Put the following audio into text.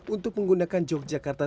untuk menggunakan yogyakarta